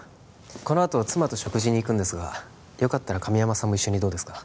このあと妻と食事に行くんですがよかったら神山さんも一緒にどうですか？